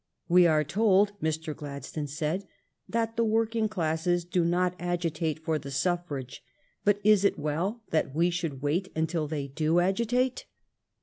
" We are told," Mr. Gladstone said, " that the work ing classes do not agitate for the suffrage, but is it well that we should wait until they do agitate